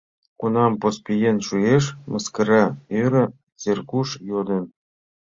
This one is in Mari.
Кунам поспиен шуэш?» — мыскара йӧре Сергуш йодын.